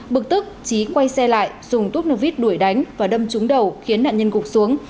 bực tức trí quay xe lại dùng túc nước vít đuổi đánh và đâm trúng đầu khiến nạn nhân cục xuống